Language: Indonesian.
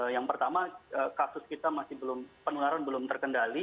yang pertama kasus kita masih belum penularan belum terkendali